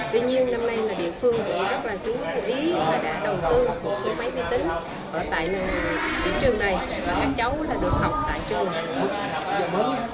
tuy nhiên năm nay là địa phương cũng rất là chú ý là đã đầu tư một số máy vi tính ở tại điểm trường này và các cháu đã được học tại trường